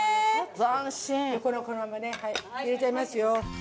斬新これをこのまんまね入れちゃいますよ